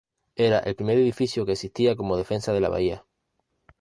Era el primer edificio que existía como defensa de la bahía.